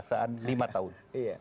keluasaan lima tahun